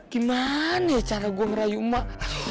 gimana ya cara gue ngerayu mak